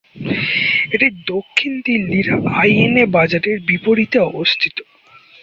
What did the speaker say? এটি দক্ষিণ দিল্লির আইএনএ বাজারের বিপরীতে অবস্থিত।